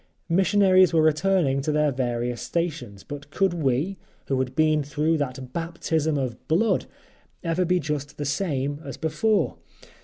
Missionaries were returning to their various stations, but could we, who had been through that Baptism of Blood, ever be just the same as before?